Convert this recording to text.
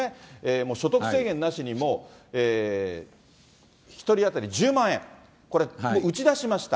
もう所得制限なしに、１人当たり１０万円、これ、打ち出しました。